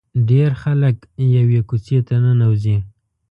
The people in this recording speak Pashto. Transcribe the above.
ډېر خلک یوې کوڅې ته ننوځي.